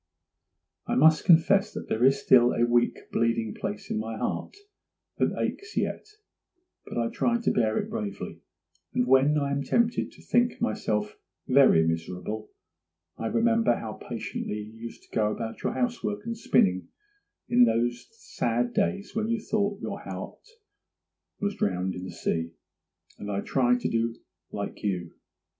'I must confess that there is still a weak, bleeding place in my heart that aches yet, but I try to bear it bravely; and when I am tempted to think myself very miserable, I remember how patiently you used to go about your housework and spinning in those sad days when you thought your heart was drowned in the sea; and I try to do like you.